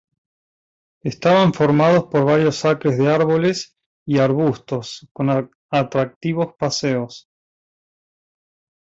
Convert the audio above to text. Estaban formados por varios acres de árboles y arbustos con atractivos paseos.